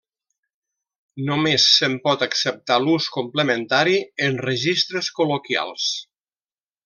Només se'n pot acceptar l'ús complementari en registres col·loquials.